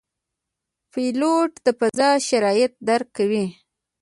پیلوټ د فضا شرایط درک کوي.